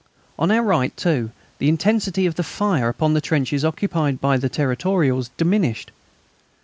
On our right, too, the intensity of the fire upon the trenches occupied by the Territorials diminished.